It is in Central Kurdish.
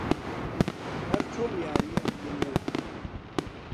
هەر چۆن یاری ئەبینێ